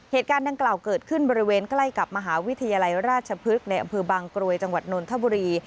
เหตุการณ์ดังกล่าวเกิดขึ้นบริเวณใกล้กับมหาวิทยาลัยราชพฤกษ์ในอำเภอบางกรวยจังหวัดนนทบุรี